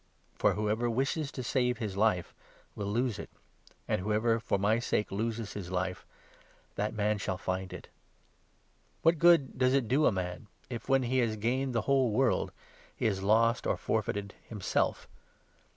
For whoever wishes to save his life will lose it, and whoever, for my sake, loses his life — that man shall save it. What good does it do a man if, when he has gained the whole world, he has lost or forfeited himself?